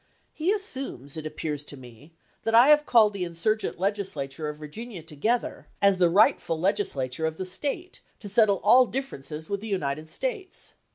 He assumes, it appears to me, that I have called the insurgent legislature of Virginia together, as the rightful 228 ABRAHAM LINCOLN chap. xi. legislature of the State, to settle all differences with the United States.